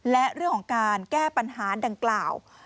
และเรื่องของการแก้ปัญหาดังกล่าว